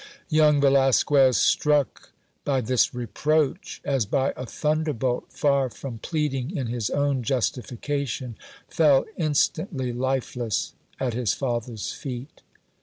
Young Velasquez, struck by this reproach as by a thunderbolt, far from pleading in his own justification, fell instantly lifeless at his father's feet.